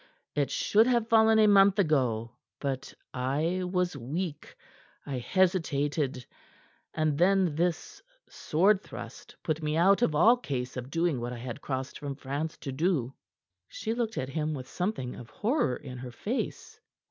It should have fallen a month ago; but I was weak; I hesitated; and then this sword thrust put me out of all case of doing what I had crossed from France to do." She looked at him with something of horror in her face.